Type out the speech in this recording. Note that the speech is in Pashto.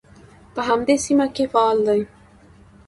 په همدې سیمه کې فعال دی.